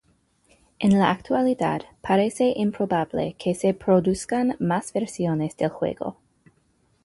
En la actualidad parece improbable que se produzcan más versiones del juego.